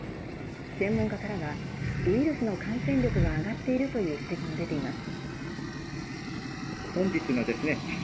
専門家からは、ウイルスの感染力が上がっているという指摘も出ています。